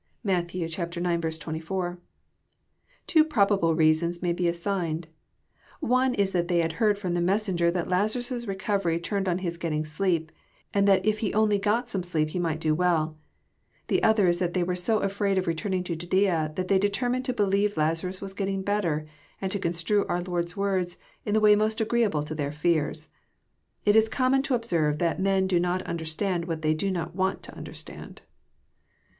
(Matt. ix. 24.) Two probable reasons may be assigned : one is that they had heard from the messen« ger that Lazaras' recovery tamed on his getting sleep, and that if he only got some sleep he miglit do well ; the • other is that they were so aAraid of returning to Jadflsa, that they determined to believe Lazarus was getting better, and to construe our Lord's words in the way most agreeable to their fears. It la common to observe that men will not understand what they do not want to understand.